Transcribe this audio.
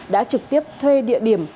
đã trực tiếp thuê địa điểm